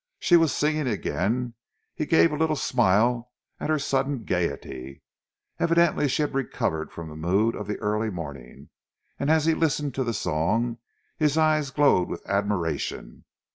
She was singing again. He gave a little smile at her sudden gaiety. Evidently she had recovered from the mood of the early morning, and as he listened to the song, his eyes glowed with admiration.